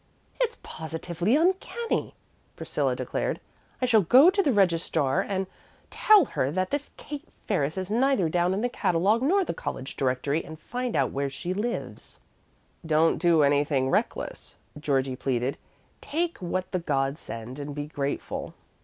"It's positively uncanny!" Priscilla declared. "I shall go to the registrar and tell her that this Kate Ferris is neither down in the catalogue nor the college directory, and find out where she lives." "Don't do anything reckless," Georgie pleaded. "Take what the gods send and be grateful."